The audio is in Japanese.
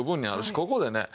ここでね